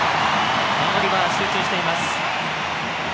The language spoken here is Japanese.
守りは集中しています。